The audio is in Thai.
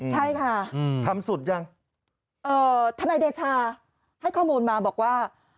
ใช่ค่ะทำสุดยังเอ่อทนายเดชาให้ข้อมูลมาบอกว่า